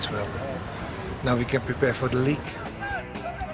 sekarang kita bisa bersiap untuk perlindungan